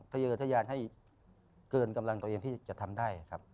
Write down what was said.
เยอะทะยานให้เกินกำลังตัวเองที่จะทำได้ครับ